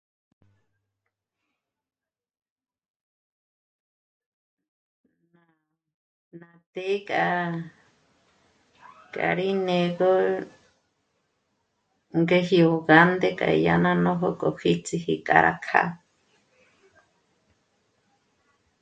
Ná té k'a... k'â'a rí né'egö ngéjio ngánde k'a dyá ná nójo k'o jíts'iji k'a rá kjâ'a